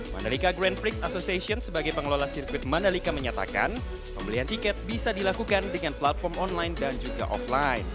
mandalika grand prix association sebagai pengelola sirkuit mandalika menyatakan pembelian tiket bisa dilakukan dengan platform online dan juga offline